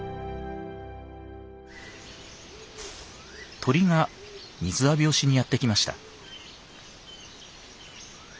鳥が水浴びをしにやって来ました。